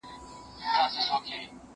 کتاب د زده کوونکي له خوا لوستل کيږي!؟